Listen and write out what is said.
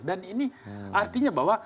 dan ini artinya bahwa